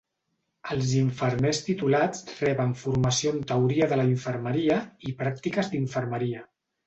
Els infermers titulats reben formació en teoria de la infermeria i pràctiques d'infermeria.